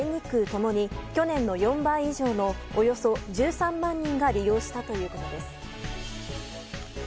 ともに去年の４倍以上のおよそ１３万人が利用したということです。